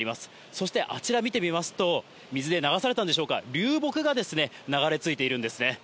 そしてあちら見てみますと、水で流されたんでしょうか、流木が流れ着いているんですね。